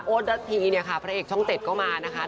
โอ๊ดดัสพีเนี่ยค่ะพระเอกช่องเต็ดเข้ามานะคะ